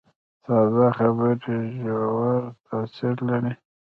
ساده خبرې ژور تاثیر لري